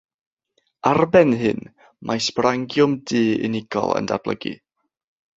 Ar ben hyn, mae sborangiwm du unigol yn datblygu.